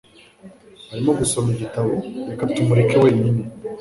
Arimo gusoma igitabo. Reka tumureke wenyine.